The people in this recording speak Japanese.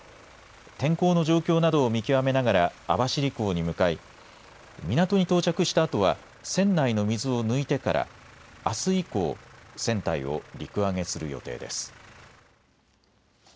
天候の状況などを見極めながら網走港に向かい港に到着したあとは船内の水を抜いてからあす以降、船体を陸揚げする予定です。